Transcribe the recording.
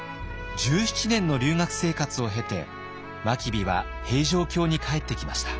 １７年の留学生活を経て真備は平城京に帰ってきました。